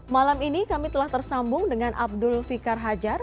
malam ini kami telah tersambung dengan abdul fikar hajar